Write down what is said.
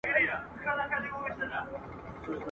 نوم مي دي پر هره مرغلره درلیکلی دی !.